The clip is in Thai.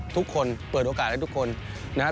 ทุกคนเปิดโอกาสให้ทุกคนนะครับ